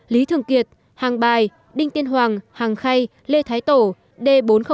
lý thường kiệt hàng bài đinh tiên hoàng hàng khay lê thái tổ d bốn trăm linh